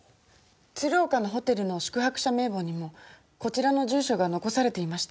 鶴岡のホテルの宿泊者名簿にもこちらの住所が残されていました。